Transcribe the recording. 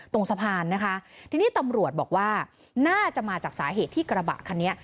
ตรงสะพานนะคะทีนี้ตำรวจบอกว่าน่าจะมาจากสาเหตุที่กระบะคันนี้